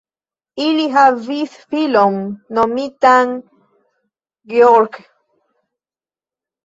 Ili havis filon nomitan Gheorghe.